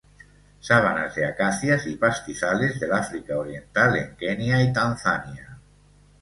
Sabanas de acacias y pastizales del África oriental en Kenia y Tanzania.